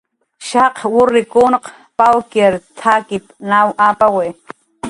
"Shaq wurrikunq pawykir t""akip naw apawi."